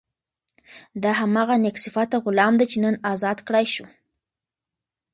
دا هماغه نېک صفته غلام دی چې نن ازاد کړای شو.